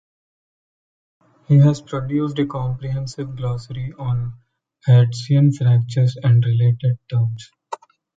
He has produced a comprehensive glossary on Hertzian fractures and related terms.